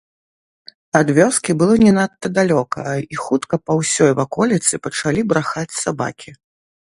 Ад вёскі было не надта далёка, і хутка па ўсёй ваколіцы пачалі брахаць сабакі.